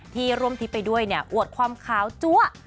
ที่ร่วมทริปไปด้วยอวดความคาวจ๊วะ